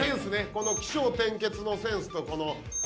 この起承転結のセンスとこの構図とかもね。